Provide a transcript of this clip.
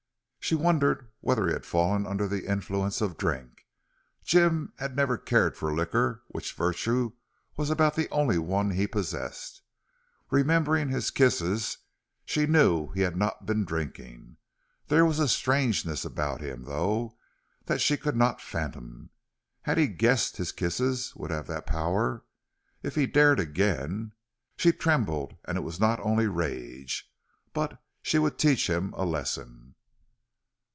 She wondered whether he had fallen under the influence of drink. Jim had never cared for liquor, which virtue was about the only one he possessed. Remembering his kisses, she knew he had not been drinking. There was a strangeness about him, though, that she could not fathom. Had he guessed his kisses would have that power? If he dared again ! She trembled, and it was not only rage. But she would teach him a lesson.